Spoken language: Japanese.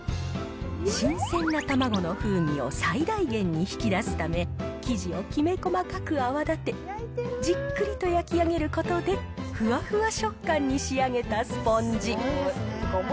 新鮮な卵の風味を最大限に引き出すため、生地をきめ細かく泡立て、じっくりと焼き上げることで、ふわふわ食感に仕上げたスポンジ。